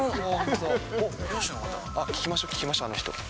聞きましょう、聞きましょう、あの人。